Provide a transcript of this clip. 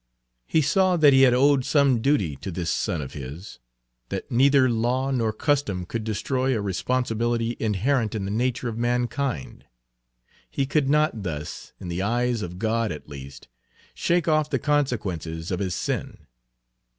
He saw that he had owed some duty to this son of his, that neither law nor custom could destroy a responsibility inherent in the nature of mankind. He could not thus, in the eyes of God at least, shake off the consequences of his sin.